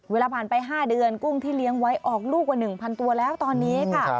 เวลาผ่านไป๕เดือนกุ้งที่เลี้ยงไว้ออกลูกกว่า๑๐๐ตัวแล้วตอนนี้ค่ะ